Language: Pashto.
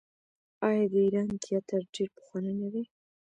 آیا د ایران تیاتر ډیر پخوانی نه دی؟